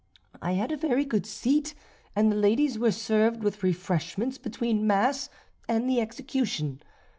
I had a very good seat, and the ladies were served with refreshments between Mass and the execution.